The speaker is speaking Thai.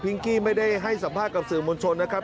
กี้ไม่ได้ให้สัมภาษณ์กับสื่อมวลชนนะครับ